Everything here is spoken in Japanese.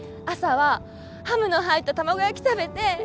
朝はハムの入った卵焼き食べて